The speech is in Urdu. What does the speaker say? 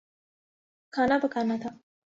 کھانا پکانا تھا